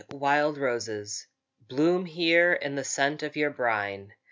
wild roses Bloom here in the scent of your brine.